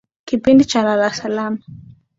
Kipindi cha lala salama.